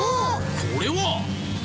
これは！